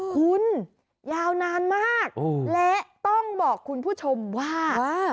คุณยาวนานมากและต้องบอกคุณผู้ชมว่า